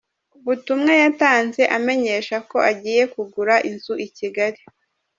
Ubutumwa yatanze amenyesha ko agiye kugura inzu i Kigali.